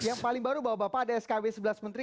yang paling baru bapak ada skb sebelas menteri